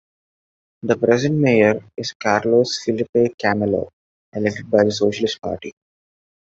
The present Mayor is Carlos Filipe Camelo, elected by the Socialist Party.